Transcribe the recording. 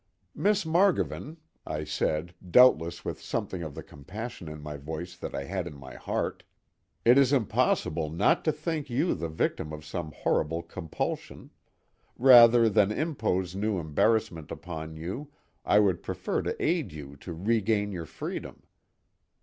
"Miss Margovan," I said, doubtless with something of the compassion in my voice that I had in my heart, "it is impossible not to think you the victim of some horrible compulsion. Rather than impose new embarrassments upon you I would prefer to aid you to regain your freedom."